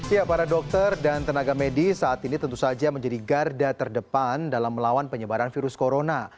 ya para dokter dan tenaga medis saat ini tentu saja menjadi garda terdepan dalam melawan penyebaran virus corona